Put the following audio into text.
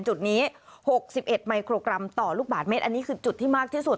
จุดนี้๖๑มิโครกรัมต่อลูกบาทเมตรอันนี้คือจุดที่มากที่สุด